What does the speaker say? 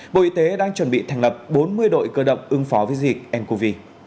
bộ y tế đang chuẩn bị thành lập bốn mươi đội cơ động ứng phó với dịch ncov